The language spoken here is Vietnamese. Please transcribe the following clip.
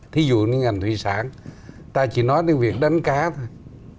thí dụ như ngành thủy sản ta chỉ nói đến việc đánh cá thôi